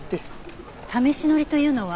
試し乗りというのは？